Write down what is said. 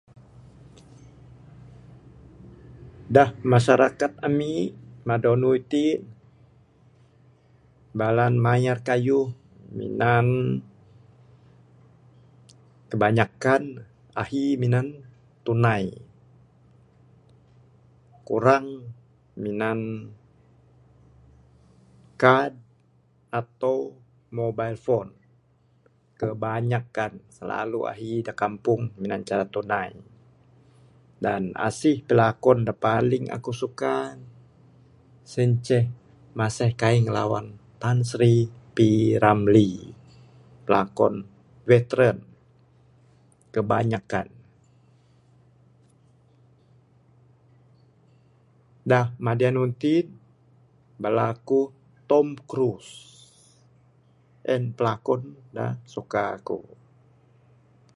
Dak masyarakat ami madalui ti bala ne mayar kayuh minan kebanyakkan ahi minan tunai kurang minan kad atau mobile phone kebanyakkan silalu ahi dak kampung minan cara tunai dan asih pilakon dak paling aku suka sien inceh masih kai ngilawan Tan Sri P.Ramlee pilakon veteran kebanyakkan dak manadui ti bala ku Tom Cruise en pilakon dak suka aku